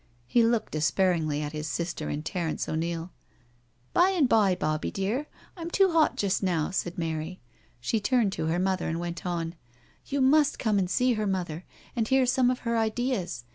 He looked despairingly at his sister and Terence O'Neil. " By and by, Bobbie dear— I'm too hot just now," said Mary. She turned to her mother and went on: " You must come and see her. Mother, and hear some of her ideas.